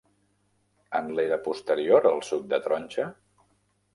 En l'era posterior-al-suc-de-taronja?